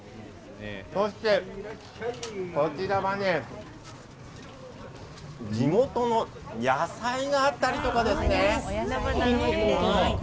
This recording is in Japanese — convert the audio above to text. そして、こちらも地元の野菜があったりとか。